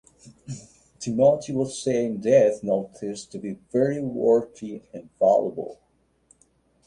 Timothy was said in death notices to be very worthy and valuable.